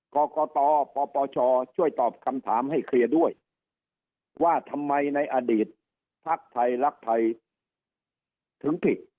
กรกตปปชช่วยตอบคำถามให้เคลียร์ด้วยว่าทำไมในอดีตภักดิ์ไทยรักไทยถึงผิด